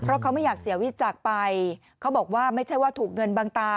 เพราะเขาไม่อยากเสียวิจักรไปเขาบอกว่าไม่ใช่ว่าถูกเงินบางตา